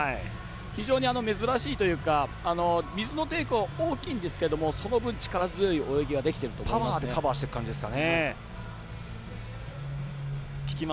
非常に珍しいというか水の抵抗大きいんですけれどもその分、力強い泳ぎができていると思います。